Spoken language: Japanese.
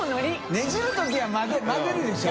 ねじる時は混ぜるでしょ。